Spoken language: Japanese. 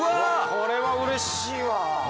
これはうれしいわ。